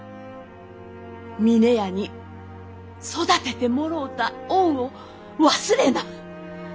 峰屋に育ててもろうた恩を忘れな！